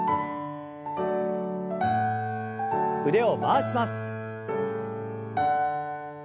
腕を回します。